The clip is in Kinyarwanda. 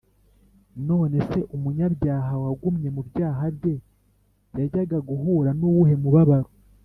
none se umunyabyaha wagumye mu byaha bye yajyaga guhura n’uwuhe mubabaro?